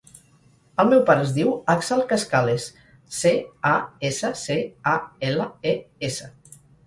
El meu pare es diu Axel Cascales: ce, a, essa, ce, a, ela, e, essa.